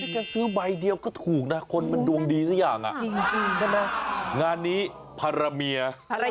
แกซื้อใบเดียวก็ถูกนะคนมันดวงดีสักอย่างจริงใช่ไหมงานนี้พารเมีย